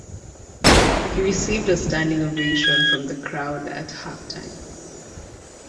He received a standing ovation from the crowd at half time.